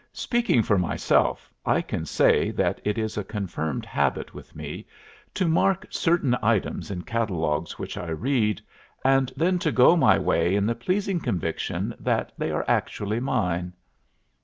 "Speaking for myself, I can say that it is a confirmed habit with me to mark certain items in catalogues which I read, and then to go my way in the pleasing conviction that they are actually mine."